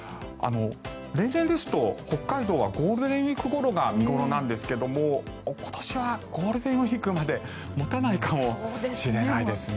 例年ですと、北海道はゴールデンウィークごろが見頃なんですが今年はゴールデンウィークまで持たないかもしれないですね。